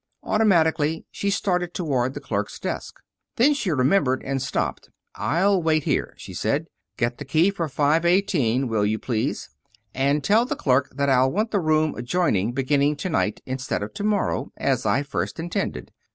Automatically she started toward the clerk's desk. Then she remembered, and stopped. "I'll wait here," she said. "Get the key for five eighteen, will you please? And tell the clerk that I'll want the room adjoining beginning to night, instead of to morrow, as I first intended.